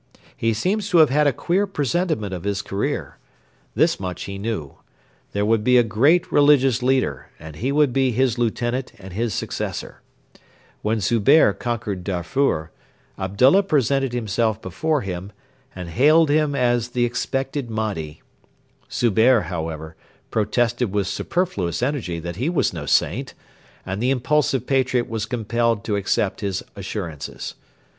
He seems to have had a queer presentiment of his career. This much he knew: there would be a great religious leader, and he would be his lieutenant and his successor. When Zubehr conquered Darfur, Abdullah presented himself before him and hailed him as 'the expected Mahdi.' Zubehr, however, protested with superfluous energy that he was no saint, and the impulsive patriot was compelled to accept his assurances.